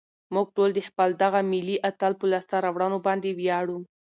موږ ټول د خپل دغه ملي اتل په لاسته راوړنو باندې ویاړو.